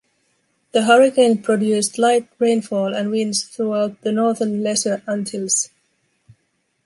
The hurricane produced light rainfall and winds throughout the northern Lesser Antilles.